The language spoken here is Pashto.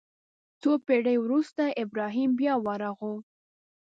څو پېړۍ وروسته ابراهیم بیا ورغاوه.